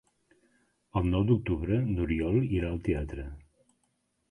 El nou d'octubre n'Oriol irà al teatre.